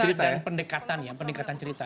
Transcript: cerita dan pendekatan ya pendekatan cerita